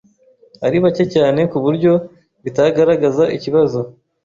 ari bacye cyane kuburyo bitagaragaza ikibazo